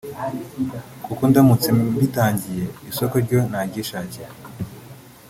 kuko ndamutse mbitangiye isoko ryo naryishakira